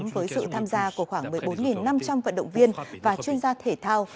với sự tham gia của khoảng một mươi bốn năm trăm linh vận động viên và chuyên gia thể thao